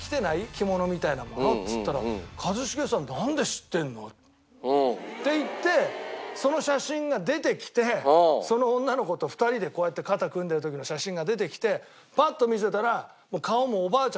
「着物みたいなもの」っつったら「一茂さんなんで知ってんの？」って言ってその写真が出てきてその女の子と２人でこうやって肩組んでる時の写真が出てきてパッと見せたら顔もおばあちゃん